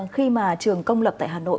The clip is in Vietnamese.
khi mà trường công lập tại hà nội